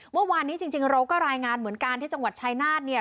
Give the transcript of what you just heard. เมื่อวานนี้จริงเราก็รายงานเหมือนกันที่จังหวัดชายนาฏเนี่ย